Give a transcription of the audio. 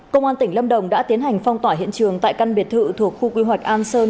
công an tỉnh lâm đồng đã tiến hành phong tỏa hiện trường tại căn biệt thự thuộc khu quy hoạch an sơn